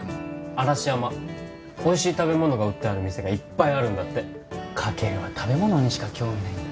嵐山おいしい食べ物が売ってある店がいっぱいあるんだってカケルは食べ物にしか興味ないんだ